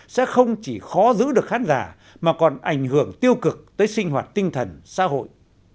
sẽ không chỉ khó giữ được khán giả mà còn ảnh hưởng tiêu cực tới sinh hoạt tinh thần xã hội